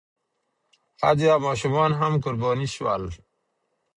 ښځې او ماشومان هم قرباني شول.